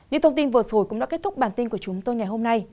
những thông tin vừa rồi cũng đã kết thúc bản tin của chúng tôi ngày hôm nay